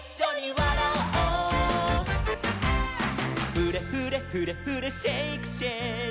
「フレフレフレフレシェイクシェイク」